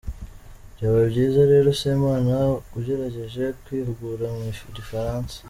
Byaba byiza rero Semana ugerageje kwihugura mu gifaransa.